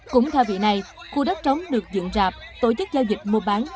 cũng theo vị này khu đất trống được dựng rạp tổ chức giao dịch mua bán